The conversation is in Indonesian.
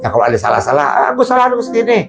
kalau ada salah salah ah gua salah harus begini